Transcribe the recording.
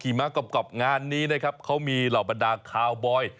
มะกรอบงานนี้นะครับเขามีเหล่าบรรดาคาวบอย